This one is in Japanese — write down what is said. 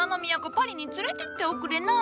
パリに連れてっておくれな。